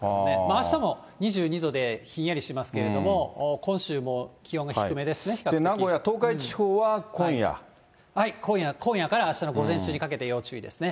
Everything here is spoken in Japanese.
あしたも２２度でひんやりしますけれども、今週も気温が低めです名古屋、今夜からあしたの午前中にかけて要注意ですね。